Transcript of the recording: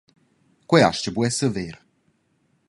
Quei astga buc esser ver!